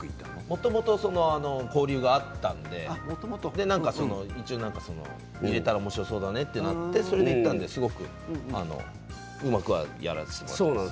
もともと交流があったので一応なんか入れたらおもしろそうだねとなってそれでやったのですごくうまくやらせてもらってます。